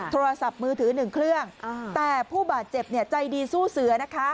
โทรศัพท์มือถือหนึ่งเครื่องแต่ผู้บาดเจ็บใจดีสู้เสือนะคะ